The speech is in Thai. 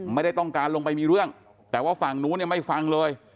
ไม่ได้ต้องการลงไปมีเรื่องแต่ว่าฝั่งนู้นเนี่ยไม่ฟังเลย